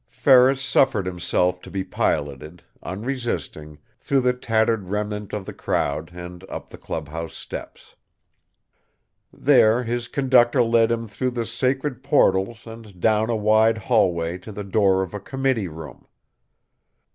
Ferris suffered himself to be piloted, unresisting, through the tattered remnant of the crowd and up the clubhouse steps. There his conductor led him through the sacred portals and down a wide hallway to the door of a committee room.